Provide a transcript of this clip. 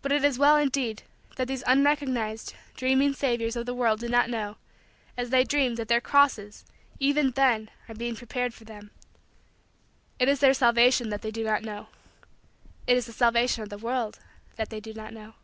But it is well, indeed, that these unrecognized, dreaming, saviors of the world do not know, as they dream, that their crosses, even then, are being prepared for them. It is their salvation that they do not know. It is the salvation of the world that they do not know.